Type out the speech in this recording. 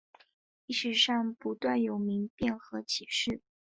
历史上不断有民变和起事。